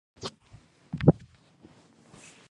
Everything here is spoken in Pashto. په لومړۍ لیکه کې دوه تنه، وروسته څلور تنه.